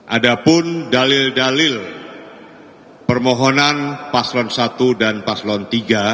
ada pun dalil dalil permohonan paslon satu dan paslon tiga